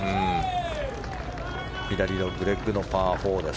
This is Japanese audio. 左ドッグレッグのパー４です。